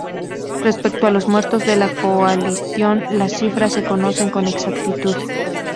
Respecto a los muertos de la coalición las cifras se conocen con exactitud.